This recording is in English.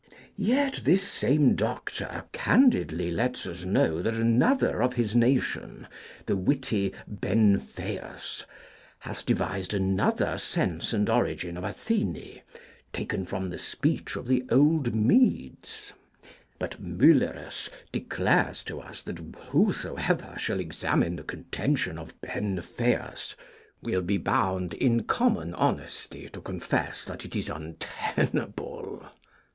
Yet this same doctor candidly lets us know that another of his nation, the witty Benfeius, hath devised another sense and origin of Athene, taken from the speech of the old Medes. But Muellerus declares to us that whosoever shall examine the contention of Benfeius 'will be bound, in common honesty, to confess that it is untenable.'